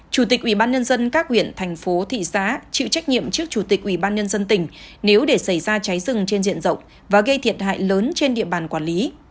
chủ tịch ubnd các huyện thành phố thị xã chịu trách nhiệm trước chủ tịch ubnd tỉnh nếu để xảy ra cháy rừng trên diện rộng và gây thiệt hại lớn trên địa bàn quản lý